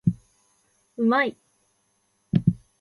うまい